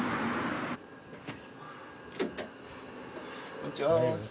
こんにちは。